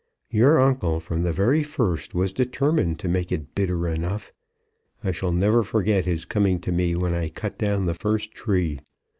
Your uncle, from the very first, was determined to make it bitter enough. I shall never forget his coming to me when I cut down the first tree.